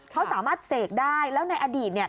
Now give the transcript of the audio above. เขาสามารถเสกได้แล้วในอดีตเนี่ย